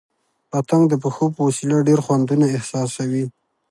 پتنګ د پښو په وسیله ډېر خوندونه احساسوي.